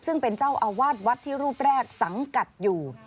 ซึ่งเป็นเจ้าอาวาสวัดที่รูปแรกสังกัดอยู่